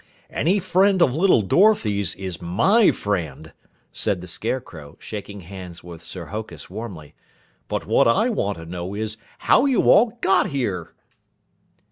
"Any friend of little Dorothy's is my friend," said the Scarecrow, shaking hands with Sir Hokus warmly. "But what I want to know is how you all got here."